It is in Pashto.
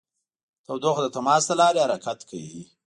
تودوخه د تماس له لارې حرکت کوي.